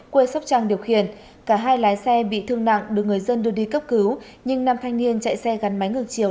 quê sóc trăng điều khiển cả hai lái xe bị thương nặng được người dân đưa đi cấp cứu nhưng nam thanh niên chạy xe gắn máy ngược chiều